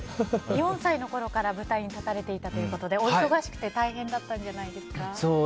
４歳のころから舞台に立たれていたということでお忙しくて大変だったんじゃないですか？